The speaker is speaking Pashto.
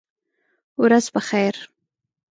ورځ په خیر !